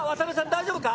大丈夫か？